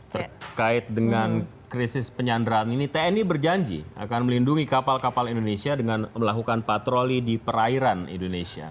terkait dengan krisis penyanderaan ini tni berjanji akan melindungi kapal kapal indonesia dengan melakukan patroli di perairan indonesia